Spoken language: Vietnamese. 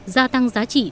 gia tăng giá trị